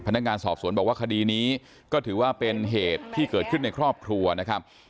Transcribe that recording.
พนักงานสอบสวนบอกว่าคดีนี้ก็ถือว่าเป็นเหตุที่เกิดขึ้นในครอบครัวนะครับ